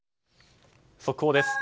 速報です。